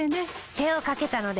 手をかけたので。